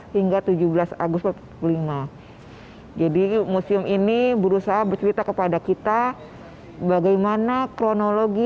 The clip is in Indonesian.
enam belas hingga tujuh belas agustus lima jadi musim ini berusaha bercerita kepada kita bagaimana kronologi